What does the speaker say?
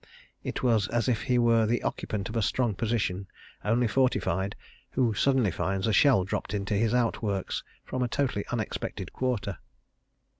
It was as if he were the occupant of a strong position, only fortified, who suddenly finds a shell dropped into his outworks from a totally unexpected quarter.